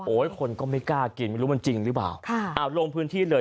คนก็ไม่กล้ากินไม่รู้มันจริงหรือเปล่าค่ะอ่าลงพื้นที่เลย